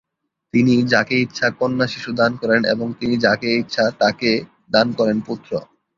তিনি যাকে ইচ্ছা কন্যা শিশু দান করেন এবং তিনি যাকে ইচ্ছা তাকে দান করেন পুত্র।